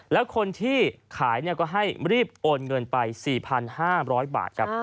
แล้วคนที่ขายก็ให้รีบโอนเงินไป๔๕๐๐บาทครับ